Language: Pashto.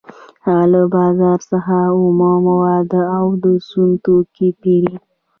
هغه له بازار څخه اومه مواد او د سون توکي پېري